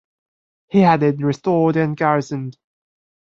He had it restored and garrisoned.